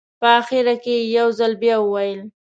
په اخره کې یې یو ځل بیا وویل.